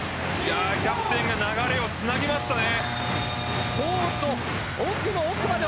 キャプテンが流れをつなぎましたね。